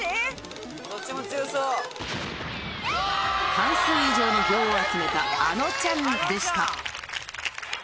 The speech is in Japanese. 半数以上の票を集めたあのちゃんでした。